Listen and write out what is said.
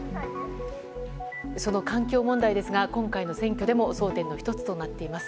その環境問題ですが今回の選挙でも争点の１つとなっています。